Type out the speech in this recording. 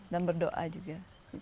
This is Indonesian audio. dan berdoa juga